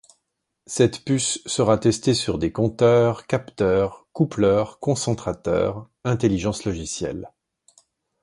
Cette puce sera testée sur des compteurs, capteurs, coupleurs, concentrateurs, intelligence logicielle...